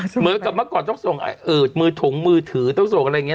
เหมือนกับเมื่อก่อนต้องส่งมือถงมือถือต้องส่งอะไรอย่างนี้